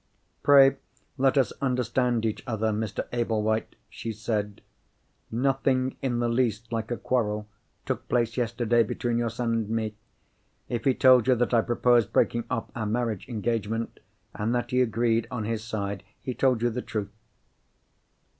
"Pray let us understand each other, Mr. Ablewhite," she said. "Nothing in the least like a quarrel took place yesterday between your son and me. If he told you that I proposed breaking off our marriage engagement, and that he agreed on his side—he told you the truth."